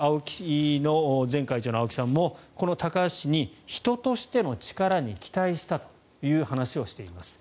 前会長の青木さんもこの高橋氏に、人としての力に期待したという話をしています。